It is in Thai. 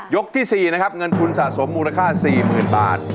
ที่๔นะครับเงินทุนสะสมมูลค่า๔๐๐๐บาท